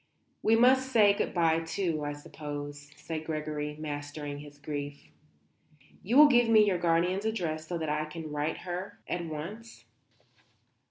"We must say good bye, too, I suppose," said Gregory, mastering his grief. "You will give me your guardian's address so that I can write to her at once?"